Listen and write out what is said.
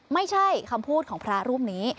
ไม่ใช่คำพูดของพระรูปนี้